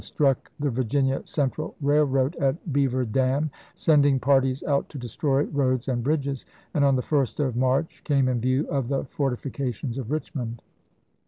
IX. struck the Virginia Central Railroad at Beaver Dam, sending parties out to destroy roads and bridges, and on the 1st of March came in view of the fortifications of Richmond.